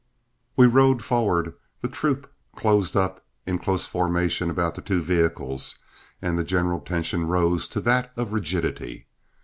We rode forward, the troop closed up in close formation about the two vehicles, and the general tension rose to that of rigidity.